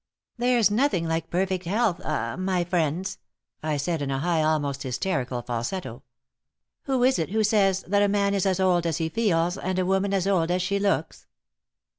"There's nothing like perfect health ah my friends," I said, in a high, almost hysterical, falsetto. "Who is it who says that a man is as old as he feels and a woman as old as she looks?"